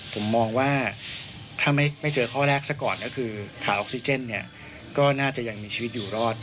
ผมมองว่าถ้าไม่เจอข้อแรกซะก่อนก็คือขาดออกซิเจนเนี่ยก็น่าจะยังมีชีวิตอยู่รอด